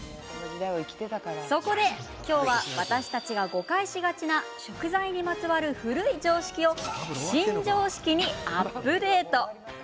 そこで今日は私たちが誤解しがちな食材にまつわる古い常識をシン・常識にアップデート。